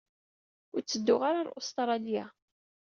Ur ttedduɣ ara ɣer Ustṛalya.